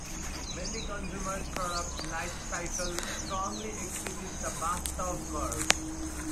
Many consumer product life cycles strongly exhibit the bathtub curve.